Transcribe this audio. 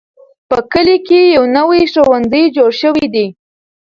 په کلي کې یو نوی ښوونځی جوړ شوی دی.